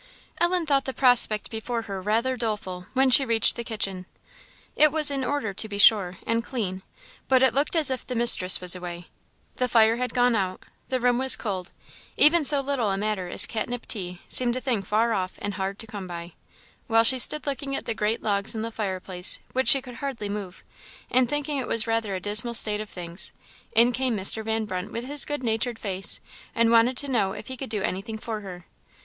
Ellen thought the prospect before her rather doleful when she reached the kitchen. It was in order, to be sure, and clean; but it looked as if the mistress was away. The fire had gone out, the room was cold; even so little a matter as catnip tea seemed a thing far off and hard to come by. While she stood looking at the great logs in the fireplace, which she could hardly move, and thinking it was rather a dismal state of things, in came Mr. Van Brunt with his good natured face, and wanted to know if he could do anything for her.